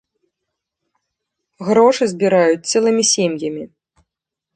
Грошы збіраюць цэлымі сем'ямі.